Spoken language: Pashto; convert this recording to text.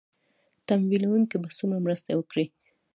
ې تمويلوونکي به څومره مرسته وکړي